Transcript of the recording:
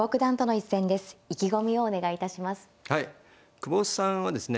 久保さんはですね